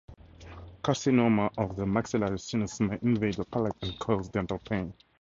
Carcinoma of the maxillary sinus may invade the palate and cause dental pain.